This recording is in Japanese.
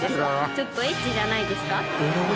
ちょっとエッチじゃないですか？